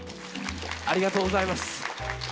ありがとうございます。